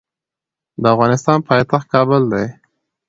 د افغانستان پایتخت کابل دي